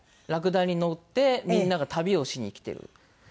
ラクダに乗ってみんなが旅をしに来てる。